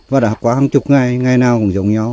và đã qua hàng chục ngày ngày nào cũng giống nhau